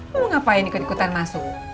mau ngapain ikut ikutan masuk